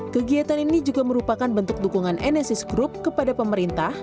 kegiatan ini juga merupakan bentuk dukungan enesis group kepada pemerintah